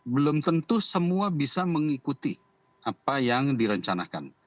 belum tentu semua bisa mengikuti apa yang direncanakan